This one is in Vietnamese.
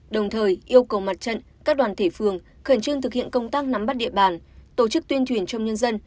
đồng thời yêu cầu mặt trận các đoàn thể phường khẩn trương thực hiện công tác nắm bắt địa bàn tổ chức tuyên truyền trong nhân dân